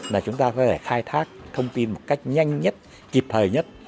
là chúng ta có thể khai thác thông tin một cách nhanh nhất kịp thời nhất